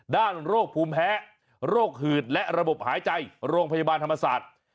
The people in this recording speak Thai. โรคภูมิแพ้โรคหืดและระบบหายใจโรงพยาบาลธรรมศาสตร์